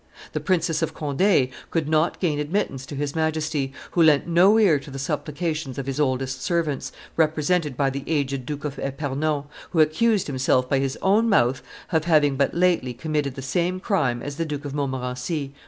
The Princess of Conde could not gain admittance to his Majesty, who lent no ear to the supplications of his oldest servants, represented by the aged Duke of Epernon, who accused himself by his own mouth of having but lately committed the same crime as the Duke of Montmorency.